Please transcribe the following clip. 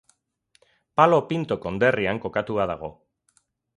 Palo Pinto konderrian kokatua dago.